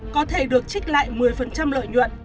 có thể được trích lại một mươi lợi nhuận